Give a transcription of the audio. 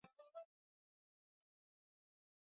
waliokuwa wakitawala Tanganyika Rwanda na Burundi